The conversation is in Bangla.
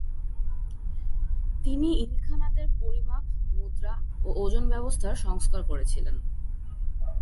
তিনি ইলখানাতের পরিমাপ, মুদ্রা ও ওজন ব্যবস্থার সংস্কার করেছিলেন।